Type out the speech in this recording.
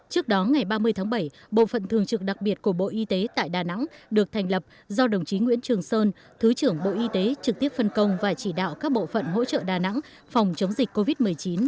trước đó ngày ba mươi tháng bảy bộ phận thường trực đặc biệt của bộ y tế tại đà nẵng được thành lập do đồng chí nguyễn trường sơn thứ trưởng bộ y tế trực tiếp phân công và chỉ đạo các bộ phận hỗ trợ đà nẵng phòng chống dịch covid một mươi chín